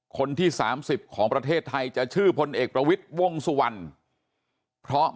คนที่๓๐ของประเทศไทยจะชื่อพลเอกประวิทย์วงสุวรรณเพราะ